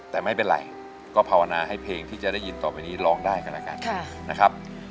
แต่ไม่เป็นไรก็ภาวนาให้เพลงที่จะได้ยินต่อไปนี้ร้องได้กันแล้วกันนะครับ